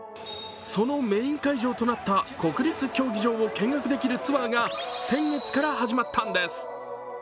そのメイン会場となった国立区競技場を見学できるツアーが先月から始まったのです。